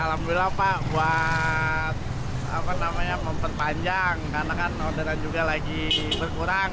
alhamdulillah pak buat memperpanjang karena kan orderan juga lagi berkurang